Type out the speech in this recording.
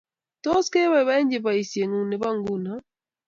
Tos, keboiboichi boisiengung ni bo nguno?